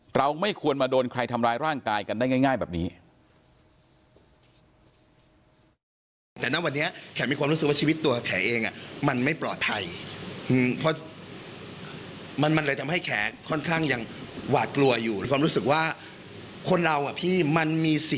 เราไม่ควรมาโดนใครทำร้ายร่างกายกันได้ง่ายแบบนี้